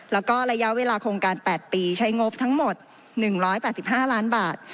แล้วก็ระยะเวลาโครงการ๘ปีใช้งบทั้งหมด๑๘๕ล้านบาท